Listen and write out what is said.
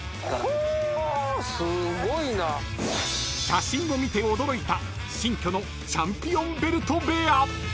［写真を見て驚いた新居のチャンピオンベルト部屋］